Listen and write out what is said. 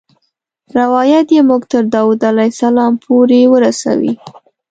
روایت یې موږ تر داود علیه السلام پورې ورسوي.